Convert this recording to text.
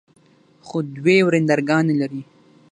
خو دوې ورندرګانې لري.